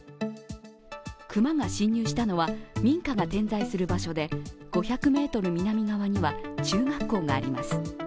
熊が侵入したのは民家が点在する場所で５００ｍ南側には中学校があります。